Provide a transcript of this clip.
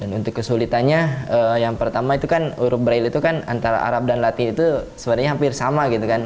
dan untuk kesulitannya yang pertama itu kan huruf braille itu kan antara arab dan latin itu sebenarnya hampir sama gitu kan